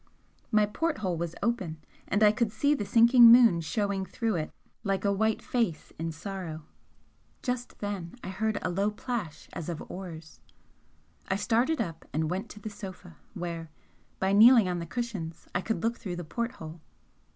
My port hole was open, and I could see the sinking moon showing through it like a white face in sorrow. Just then I heard a low splash as of oars. I started up and went to the sofa, where, by kneeling on the cushions. I could look through the porthole.